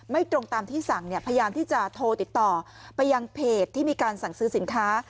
ตรงตามที่สั่งเนี่ยพยายามที่จะโทรติดต่อไปยังเพจที่มีการสั่งซื้อสินค้า